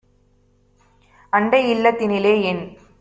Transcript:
"அண்டைஇல் லத்தினிலே - என்